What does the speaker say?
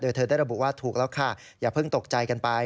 เธอได้ระบุว่าถูกแล้วค่ะอย่าเพิ่งตกใจกันไป